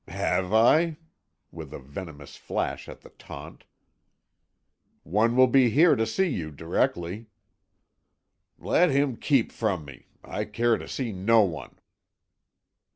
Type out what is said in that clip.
"Have I?" with a venomous flash at the taunt. "One will be here to see you directly." "Let him keep from me. I care to see no one."